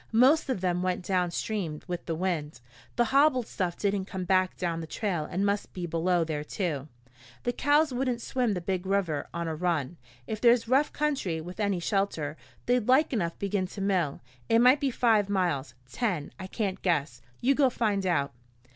Most of them went downstream with the wind. The hobbled stuff didn't come back down the trail and must be below there too. The cows wouldn't swim the big river on a run. If there's rough country, with any shelter, they'd like enough begin to mill it might be five miles, ten I can't guess. You go find out.